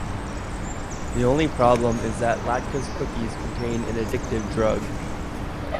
The only problem is that Latka's cookies contain an addictive drug.